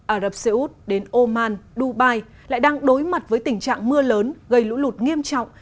ả rập xê út đến oman dubai lại đang đối mặt với tình trạng mưa lớn gây lũ lụt nghiêm trọng